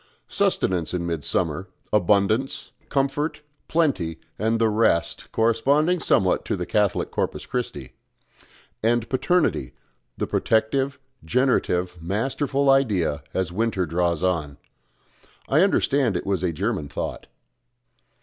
Sustenance in midsummer, abundance, comfort, plenty, and the rest, corresponding somewhat to the Catholic Corpus Christi; and Paternity, the protective, generative, masterful idea, as winter draws on.... I understand it was a German thought."